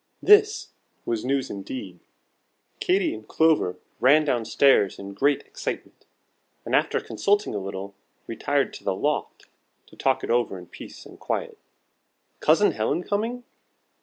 This was news indeed. Katy and Clover ran down stairs in great excitement, and after consulting a little, retired to the Loft to talk it over in peace and quiet. Cousin Helen coming!